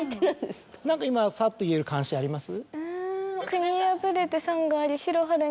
何か今さっと言える漢詩あります？